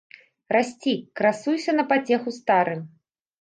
Расці, красуйся на пацеху старым.